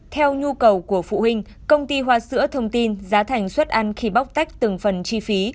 theo nhu cầu của phụ huynh công ty hoa sữa thông tin giá thành suất ăn khi bóc tách từng phần chi phí